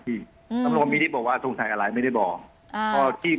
ตำรวจมีที่บอกว่าสงสัยอะไรไม่ได้บอกอ่า